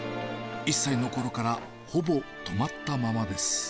１歳のころから、ほぼ止まったままです。